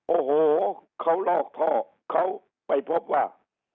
โอ้โหเขาลอกท่อเขาไปพบว่า